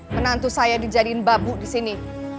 menantu saya dijadikan babu di sini